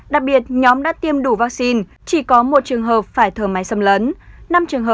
đặc biệt nhóm đã tiêm đủ vaccine chỉ có một trường hợp phải thở máy xâm lấn